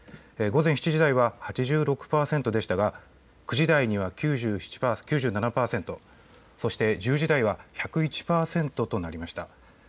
午前７時台は８６％でしたが９時台には９７％、そして１０時台は１０１％となりました。